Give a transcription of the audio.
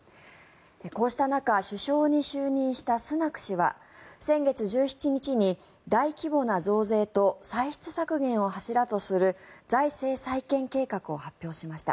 こうした中首相に就任したスナク氏は先月１７日に大規模な増税と歳出削減を柱とする財政再建計画を発表しました。